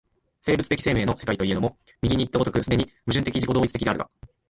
生物的生命の世界といえども、右にいった如く既に矛盾的自己同一的であるが、